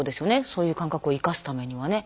そういう感覚を生かすためにはね。